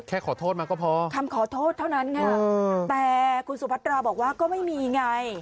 ขอโทษมาก็พอคำขอโทษเท่านั้นค่ะแต่คุณสุพัตราบอกว่าก็ไม่มีไง